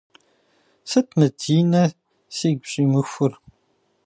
Сыт мы Динэ сигу щӏимыхур?